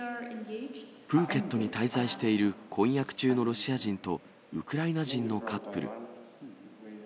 プーケットに滞在している婚約中のロシア人とウクライナ人のカップル。